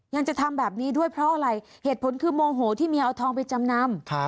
ยังจะทำแบบนี้ด้วยเพราะอะไรเหตุผลคือโมโหที่เมียเอาทองไปจำนำ